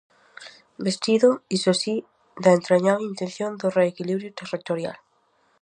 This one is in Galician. Vestido, iso si, da entrañable intención do reequilibrio territorial.